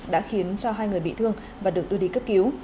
đã khiến hai người bị thương và được đưa đi cấp cứu